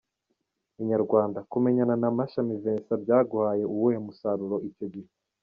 Inyarwanda: Kumenyana na Mashami Vincent byaguhaye uwuhe musaruro icyo gihe?.